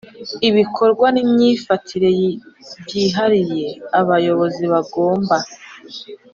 Ibikorwa n imyifatire byihariye abayobozi bagomba